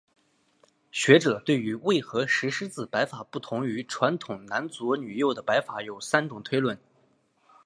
学者对于为何石狮子摆法不同于传统男左女右的摆法有三种推论。